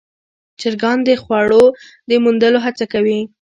چرګان د خوړو د موندلو هڅه کوي.